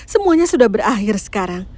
semuanya sudah berakhir sekarang